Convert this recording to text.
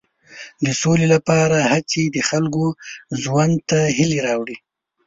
د سولې لپاره هڅې د خلکو ژوند ته هیلې راوړي.